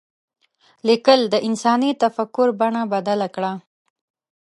لیکل د انساني تفکر بڼه بدله کړه.